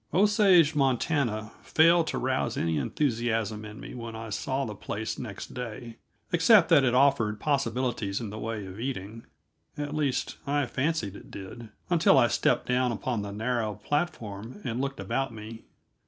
Osage, Montana, failed to rouse any enthusiasm in me when I saw the place next day, except that it offered possibilities in the way of eating at least, I fancied it did, until I stepped down upon the narrow platform and looked about me.